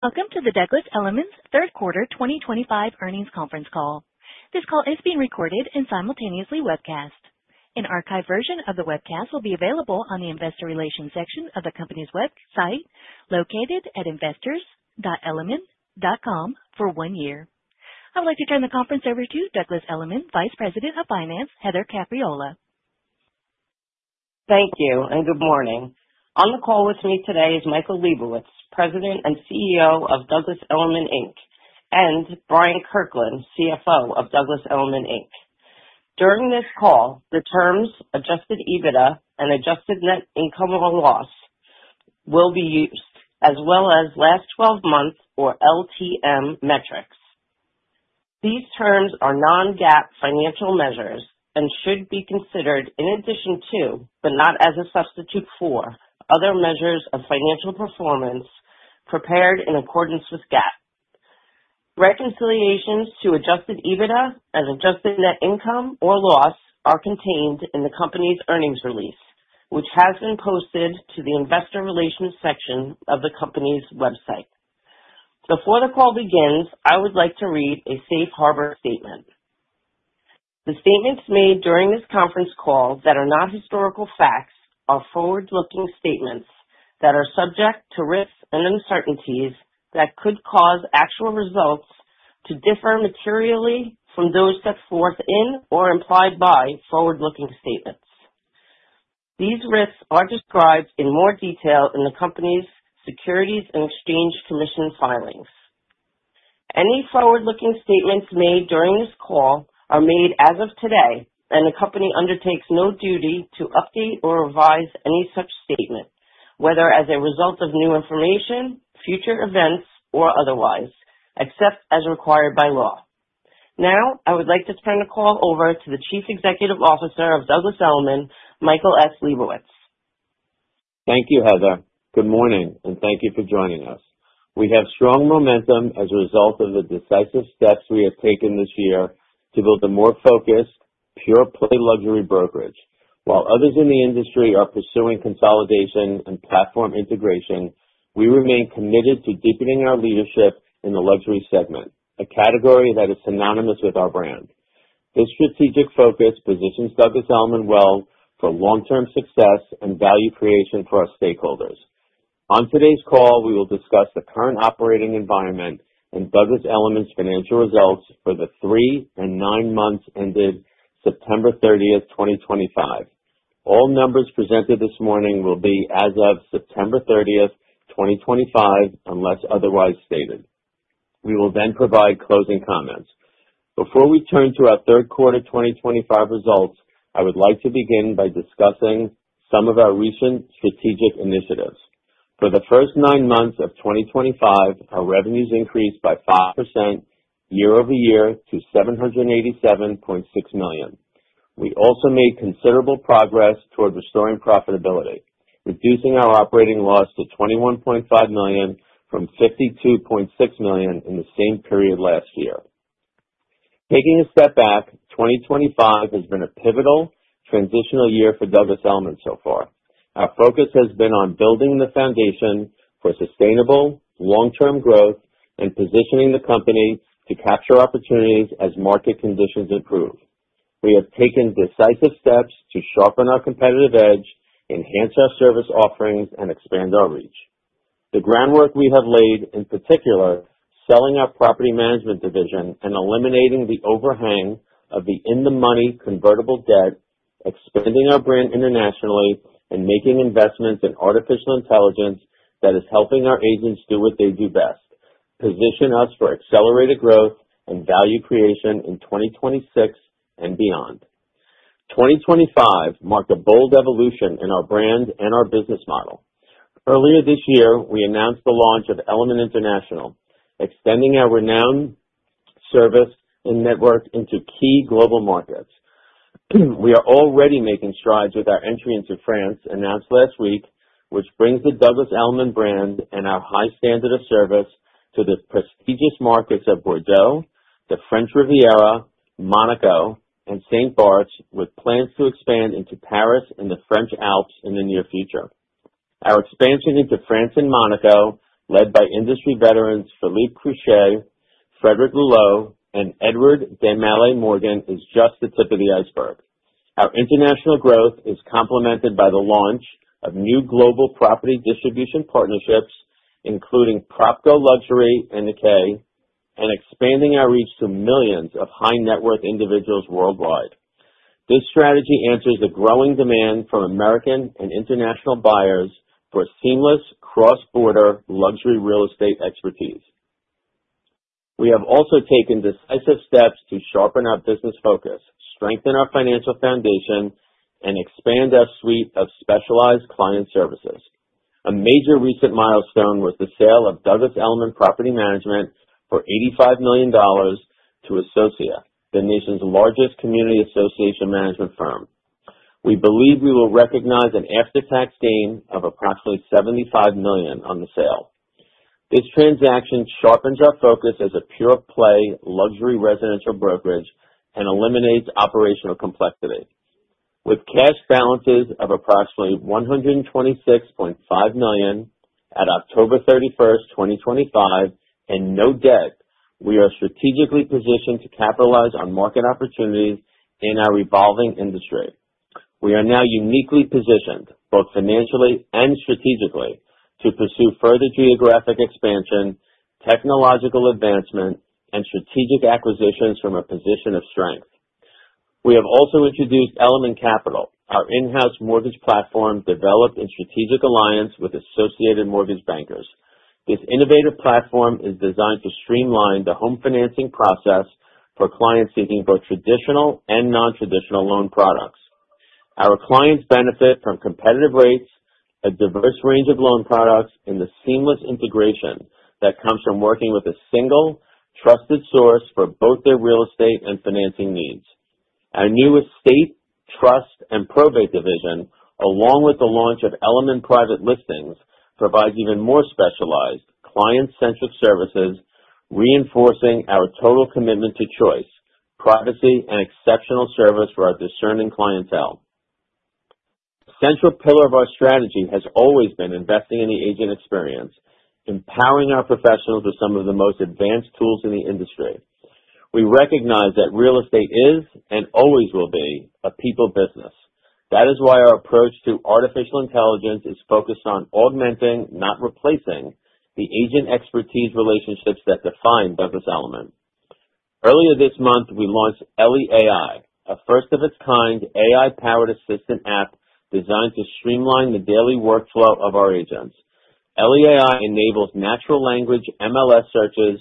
Welcome to the Douglas Elliman's third quarter 2025 earnings conference call. This call is being recorded and simultaneously webcast. An archived version of the webcast will be available on the investor relations section of the company's website located at investors.elliman.com for one year. I'd like to turn the conference over to Douglas Elliman's Vice President of Finance, Heather Capriola. Thank you and good morning. On the call with me today is Michael Liebowitz, President and CEO of Douglas Elliman Inc., and Bryant Kirkland, CFO of Douglas Elliman Inc. During this call, the terms Adjusted EBITDA and adjusted net income or loss will be used, as well as last 12 months or LTM metrics. These terms are non-GAAP financial measures and should be considered in addition to, but not as a substitute for, other measures of financial performance prepared in accordance with GAAP. Reconciliations to Adjusted EBITDA and adjusted net income or loss are contained in the company's earnings release, which has been posted to the investor relations section of the company's website. Before the call begins, I would like to read a Safe Harbor Statement. The statements made during this conference call that are not historical facts are forward-looking statements that are subject to risks and uncertainties that could cause actual results to differ materially from those set forth in or implied by forward-looking statements. These risks are described in more detail in the company's Securities and Exchange Commission filings. Any forward-looking statements made during this call are made as of today, and the company undertakes no duty to update or revise any such statement, whether as a result of new information, future events, or otherwise, except as required by law. Now, I would like to turn the call over to the Chief Executive Officer of Douglas Elliman, Michael S. Liebowitz. Thank you, Heather. Good morning, and thank you for joining us. We have strong momentum as a result of the decisive steps we have taken this year to build a more focused, pure-play luxury brokerage. While others in the industry are pursuing consolidation and platform integration, we remain committed to deepening our leadership in the luxury segment, a category that is synonymous with our brand. This strategic focus positions Douglas Elliman well for long-term success and value creation for our stakeholders. On today's call, we will discuss the current operating environment and Douglas Elliman's financial results for the three and nine months ended September 30th, 2025. All numbers presented this morning will be as of September 30th, 2025, unless otherwise stated. We will then provide closing comments. Before we turn to our third quarter 2025 results, I would like to begin by discussing some of our recent strategic initiatives. For the first nine months of 2025, our revenues increased by 5% year over year to $787.6 million. We also made considerable progress toward restoring profitability, reducing our operating loss to $21.5 million from $52.6 million in the same period last year. Taking a step back, 2025 has been a pivotal transitional year for Douglas Elliman so far. Our focus has been on building the foundation for sustainable long-term growth and positioning the company to capture opportunities as market conditions improve. We have taken decisive steps to sharpen our competitive edge, enhance our service offerings, and expand our reach. The groundwork we have laid, in particular, selling our property management division and eliminating the overhang of the in-the-money convertible debt, expanding our brand internationally, and making investments in artificial intelligence that is helping our agents do what they do best, position us for accelerated growth and value creation in 2026 and beyond. 2025 marked a bold evolution in our brand and our business model. Earlier this year, we announced the launch of Elliman International, extending our renowned service and network into key global markets. We are already making strides with our entry into France, announced last week, which brings the Douglas Elliman brand and our high standard of service to the prestigious markets of Bordeaux, the French Riviera, Monaco, and St. Barts, with plans to expand into Paris and the French Alps in the near future. Our expansion into France and Monaco, led by industry veterans Philippe Cruchet, Frederic Louleau, and Édouard de Malet Morgan, is just the tip of the iceberg. Our international growth is complemented by the launch of new global property distribution partnerships, including PropGOLuxury and Nikkei, and expanding our reach to millions of high-net-worth individuals worldwide. This strategy answers a growing demand from American and international buyers for seamless cross-border luxury real estate expertise. We have also taken decisive steps to sharpen our business focus, strengthen our financial foundation, and expand our suite of specialized client services. A major recent milestone was the sale of Douglas Elliman Property Management for $85 million to Associa, the nation's largest community association management firm. We believe we will recognize an after-tax gain of approximately $75 million on the sale. This transaction sharpens our focus as a pure-play luxury residential brokerage and eliminates operational complexity. With cash balances of approximately $126.5 million at October 31st, 2025, and no debt, we are strategically positioned to capitalize on market opportunities in our evolving industry. We are now uniquely positioned, both financially and strategically, to pursue further geographic expansion, technological advancement, and strategic acquisitions from a position of strength. We have also introduced Elliman Capital, our in-house mortgage platform developed in strategic alliance with Associated Mortgage Bankers. This innovative platform is designed to streamline the home financing process for clients seeking both traditional and non-traditional loan products. Our clients benefit from competitive rates, a diverse range of loan products, and the seamless integration that comes from working with a single, trusted source for both their real estate and financing needs. Our new estate, trust, and probate division, along with the launch of Elliman Private Listings, provides even more specialized, client-centric services, reinforcing our total commitment to choice, privacy, and exceptional service for our discerning clientele. A central pillar of our strategy has always been investing in the agent experience, empowering our professionals with some of the most advanced tools in the industry. We recognize that real estate is, and always will be, a people business. That is why our approach to artificial intelligence is focused on augmenting, not replacing, the agent expertise relationships that define Douglas Elliman. Earlier this month, we launched Ellie AI, a first-of-its-kind AI-powered assistant app designed to streamline the daily workflow of our agents. Ellie AI enables natural language MLS searches,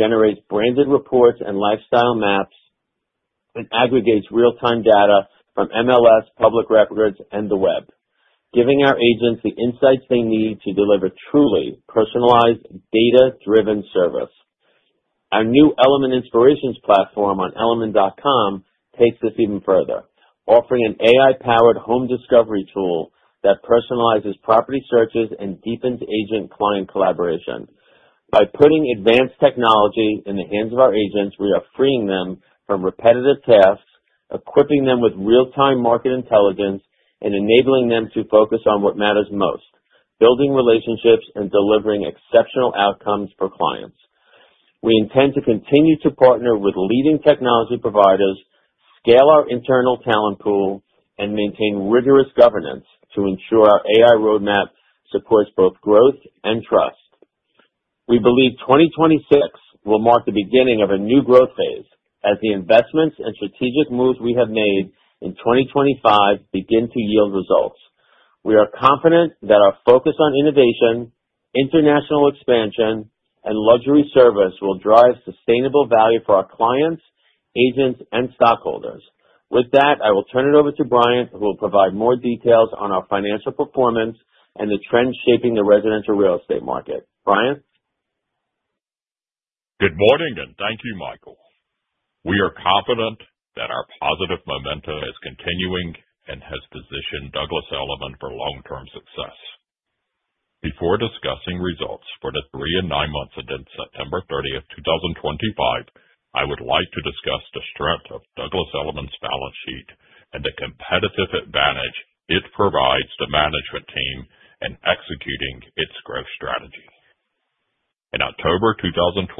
generates branded reports and lifestyle maps, and aggregates real-time data from MLS, public records, and the web, giving our agents the insights they need to deliver truly personalized, data-driven service. Our new Elliman Inspirations platform on elliman.com takes this even further, offering an AI-powered home discovery tool that personalizes property searches and deepens agent-client collaboration. By putting advanced technology in the hands of our agents, we are freeing them from repetitive tasks, equipping them with real-time market intelligence, and enabling them to focus on what matters most: building relationships and delivering exceptional outcomes for clients. We intend to continue to partner with leading technology providers, scale our internal talent pool, and maintain rigorous governance to ensure our AI roadmap supports both growth and trust. We believe 2026 will mark the beginning of a new growth phase, as the investments and strategic moves we have made in 2025 begin to yield results. We are confident that our focus on innovation, international expansion, and luxury service will drive sustainable value for our clients, agents, and stockholders. With that, I will turn it over to Bryant, who will provide more details on our financial performance and the trends shaping the residential real estate market. Bryant? Good morning, and thank you, Michael. We are confident that our positive momentum is continuing and has positioned Douglas Elliman for long-term success. Before discussing results for the three and nine months ended September 30th, 2025, I would like to discuss the strength of Douglas Elliman's balance sheet and the competitive advantage it provides the management team in executing its growth strategy. In October 2025,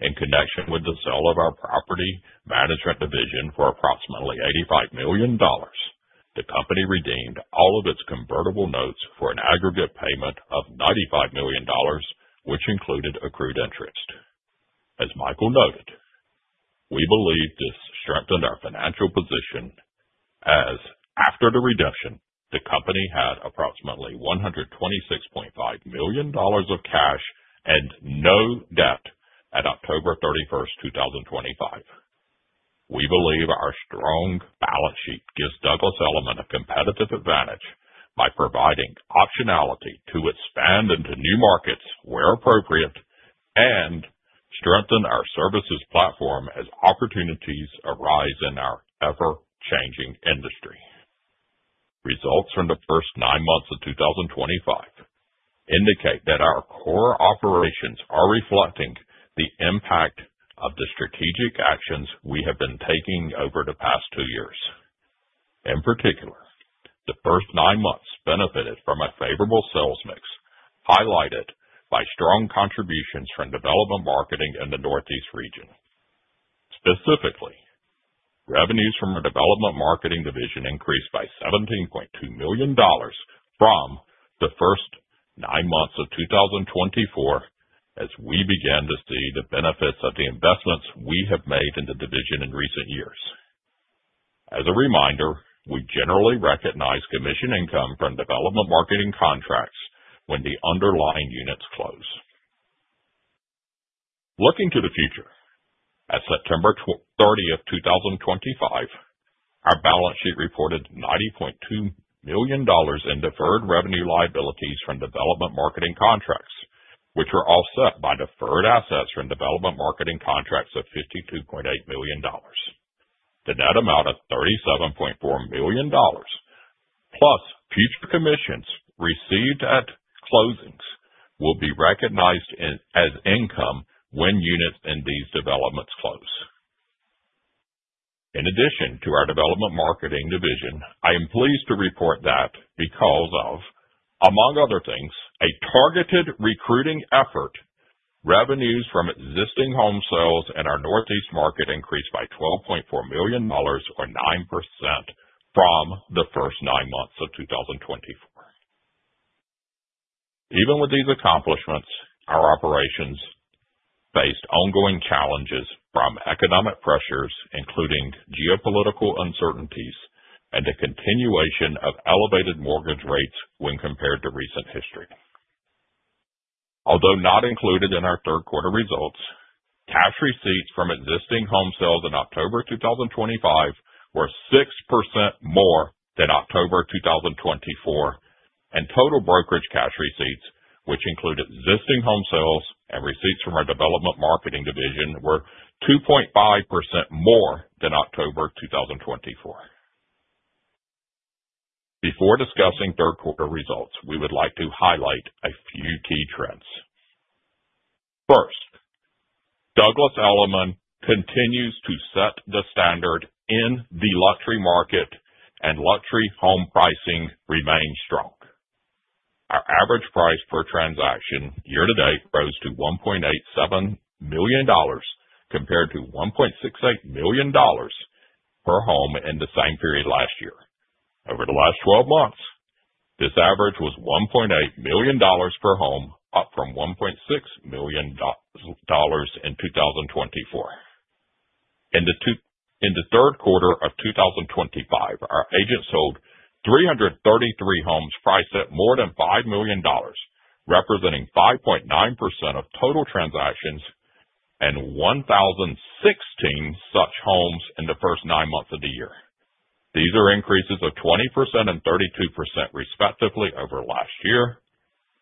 in connection with the sale of our property management division for approximately $85 million, the company redeemed all of its convertible notes for an aggregate payment of $95 million, which included accrued interest. As Michael noted, we believe this strengthened our financial position, as after the redemption, the company had approximately $126.5 million of cash and no debt at October 31st, 2025. We believe our strong balance sheet gives Douglas Elliman a competitive advantage by providing optionality to expand into new markets where appropriate and strengthen our services platform as opportunities arise in our ever-changing industry. Results from the first nine months of 2025 indicate that our core operations are reflecting the impact of the strategic actions we have been taking over the past two years. In particular, the first nine months benefited from a favorable sales mix, highlighted by strong contributions from development marketing in the Northeast region. Specifically, revenues from our development marketing division increased by $17.2 million from the first nine months of 2024, as we began to see the benefits of the investments we have made in the division in recent years. As a reminder, we generally recognize commission income from development marketing contracts when the underlying units close. Looking to the future, as of September 30th, 2025, our balance sheet reported $90.2 million in deferred revenue liabilities from development marketing contracts, which were offset by deferred assets from development marketing contracts of $52.8 million. The net amount of $37.4 million, plus future commissions received at closings, will be recognized as income when units in these developments close. In addition to our development marketing division, I am pleased to report that because of, among other things, a targeted recruiting effort, revenues from existing home sales in our Northeast market increased by $12.4 million, or 9%, from the first nine months of 2024. Even with these accomplishments, our operations faced ongoing challenges from economic pressures, including geopolitical uncertainties and the continuation of elevated mortgage rates when compared to recent history. Although not included in our third quarter results, cash receipts from existing home sales in October 2025 were 6% more than October 2024, and total brokerage cash receipts, which included existing home sales and receipts from our development marketing division, were 2.5% more than October 2024. Before discussing third quarter results, we would like to highlight a few key trends. First, Douglas Elliman continues to set the standard in the luxury market, and luxury home pricing remains strong. Our average price per transaction year to date rose to $1.87 million compared to $1.68 million per home in the same period last year. Over the last 12 months, this average was $1.8 million per home, up from $1.6 million in 2024. In the third quarter of 2025, our agents sold 333 homes priced at more than $5 million, representing 5.9% of total transactions and 1,016 such homes in the first nine months of the year. These are increases of 20% and 32%, respectively, over last year.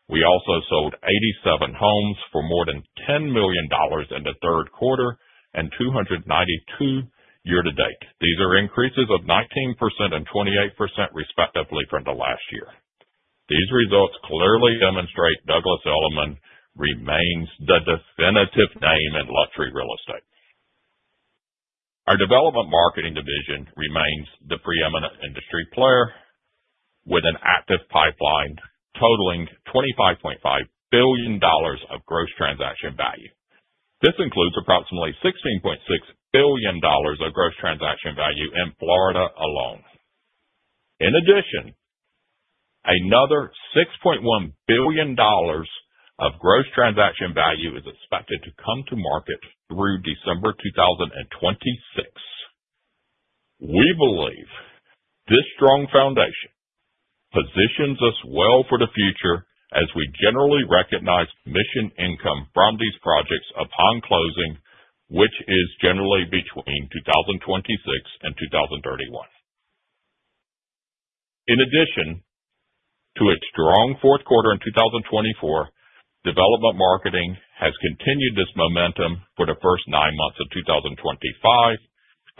We also sold 87 homes for more than $10 million in the third quarter and 292 year to date. These are increases of 19% and 28%, respectively, from the last year. These results clearly demonstrate Douglas Elliman remains the definitive name in luxury real estate. Our development marketing division remains the preeminent industry player, with an active pipeline totaling $25.5 billion of gross transaction value. This includes approximately $16.6 billion of gross transaction value in Florida alone. In addition, another $6.1 billion of gross transaction value is expected to come to market through December 2026. We believe this strong foundation positions us well for the future, as we generally recognize commission income from these projects upon closing, which is generally between 2026 and 2031. In addition to its strong fourth quarter in 2024, development marketing has continued this momentum for the first nine months of 2025,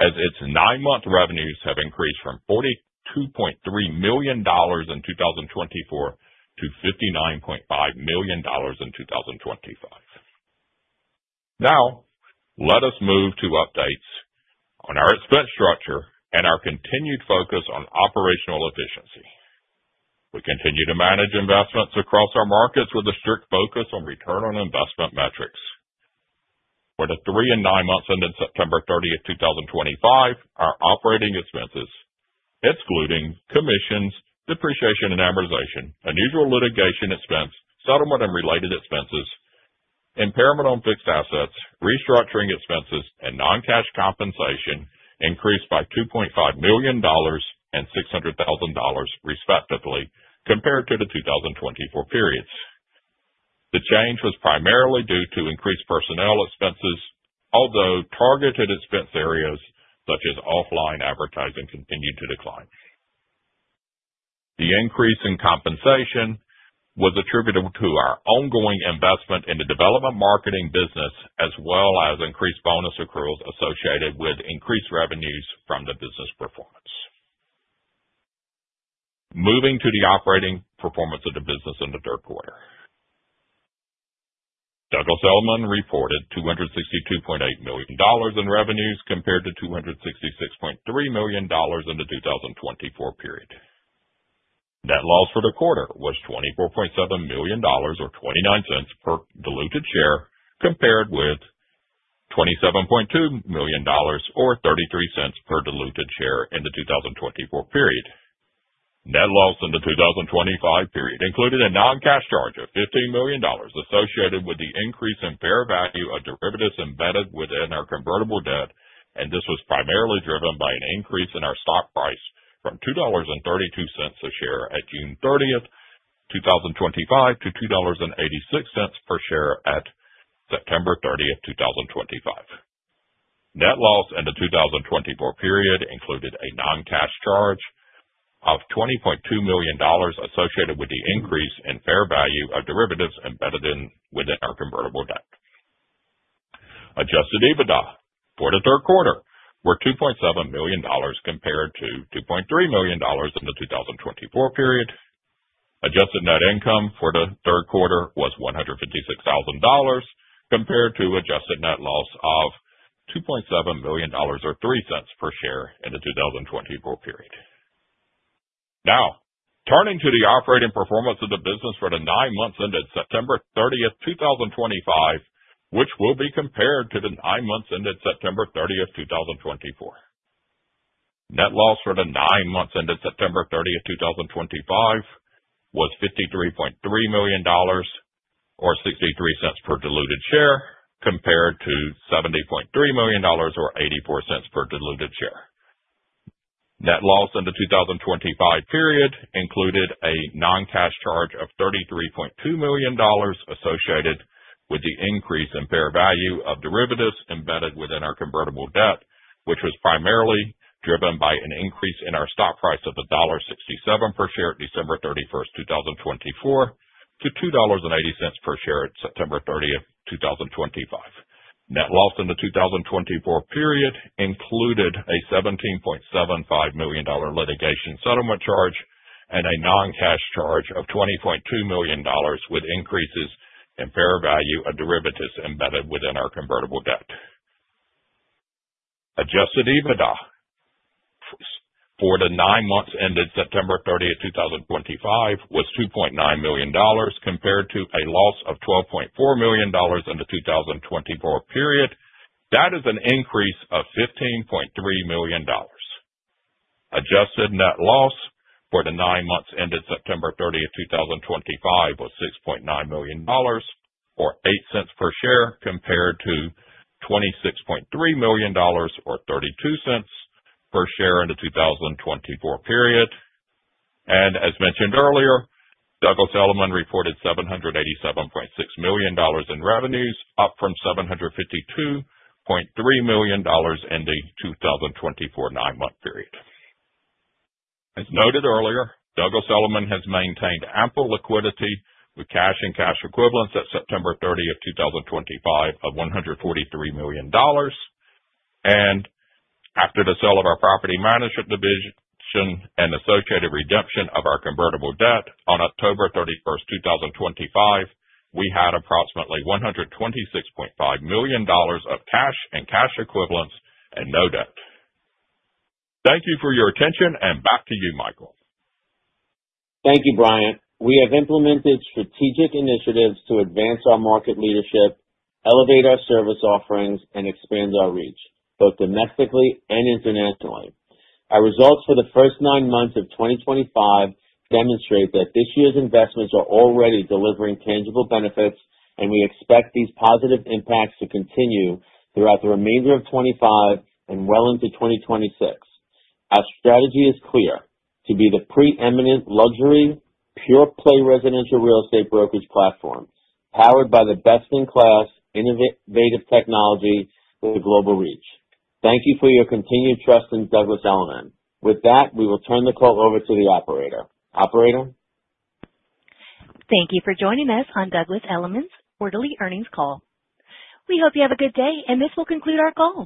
as its nine-month revenues have increased from $42.3 million in 2024 to $59.5 million in 2025. Now, let us move to updates on our expense structure and our continued focus on operational efficiency. We continue to manage investments across our markets with a strict focus on return on investment metrics. For the three and nine months ended September 30th, 2025, our operating expenses, excluding commissions, depreciation and amortization, unusual litigation expense, settlement and related expenses, impairment on fixed assets, restructuring expenses, and non-cash compensation, increased by $2.5 million and $600,000, respectively, compared to the 2024 periods. The change was primarily due to increased personnel expenses, although targeted expense areas such as offline advertising continued to decline. The increase in compensation was attributable to our ongoing investment in the development marketing business, as well as increased bonus accruals associated with increased revenues from the business performance. Moving to the operating performance of the business in the third quarter, Douglas Elliman reported $262.8 million in revenues compared to $266.3 million in the 2024 period. Net loss for the quarter was $24.7 million, or $0.29 per diluted share, compared with $27.2 million, or $0.33 per diluted share in the 2024 period. Net loss in the 2025 period included a non-cash charge of $15 million associated with the increase in fair value of derivatives embedded within our convertible debt, and this was primarily driven by an increase in our stock price from $2.32 a share at June 30th, 2025, to $2.86 per share at September 30th, 2025. Net loss in the 2024 period included a non-cash charge of $20.2 million associated with the increase in fair value of derivatives embedded within our convertible debt. Adjusted EBITDA for the third quarter was $2.7 million compared to $2.3 million in the 2024 period. Adjusted net income for the third quarter was $156,000, compared to adjusted net loss of $2.7 million, or $0.03 per share in the 2024 period. Now, turning to the operating performance of the business for the nine months ended September 30th, 2025, which will be compared to the nine months ended September 30th, 2024. Net loss for the nine months ended September 30th, 2025, was $53.3 million, or $0.63 per diluted share, compared to $70.3 million, or $0.84 per diluted share. Net loss in the 2025 period included a non-cash charge of $33.2 million associated with the increase in fair value of derivatives embedded within our convertible debt, which was primarily driven by an increase in our stock price of $1.67 per share at December 31st, 2024, to $2.80 per share at September 30th, 2025. Net loss in the 2024 period included a $17.75 million litigation settlement charge and a non-cash charge of $20.2 million, with increases in fair value of derivatives embedded within our convertible debt. Adjusted EBITDA for the nine months ended September 30th, 2025, was $2.9 million, compared to a loss of $12.4 million in the 2024 period. That is an increase of $15.3 million. Adjusted net loss for the nine months ended September 30th, 2025, was $6.9 million, or $0.08 per share, compared to $26.3 million, or $0.32 per share in the 2024 period, and as mentioned earlier, Douglas Elliman reported $787.6 million in revenues, up from $752.3 million in the 2024 nine-month period. As noted earlier, Douglas Elliman has maintained ample liquidity with cash and cash equivalents at September 30th, 2025, of $143 million, and after the sale of our property management division and associated redemption of our convertible debt on October 31st, 2025, we had approximately $126.5 million of cash and cash equivalents and no debt. Thank you for your attention, and back to you, Michael. Thank you, Bryant. We have implemented strategic initiatives to advance our market leadership, elevate our service offerings, and expand our reach, both domestically and internationally. Our results for the first nine months of 2025 demonstrate that this year's investments are already delivering tangible benefits, and we expect these positive impacts to continue throughout the remainder of 2025 and well into 2026. Our strategy is clear: to be the preeminent luxury pure-play residential real estate brokerage platform, powered by the best-in-class innovative technology with a global reach. Thank you for your continued trust in Douglas Elliman. With that, we will turn the call over to the operator. Operator. Thank you for joining us on Douglas Elliman's quarterly earnings call. We hope you have a good day, and this will conclude our call.